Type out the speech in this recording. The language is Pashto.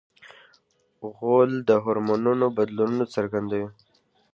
غول د هورمونونو بدلونه څرګندوي.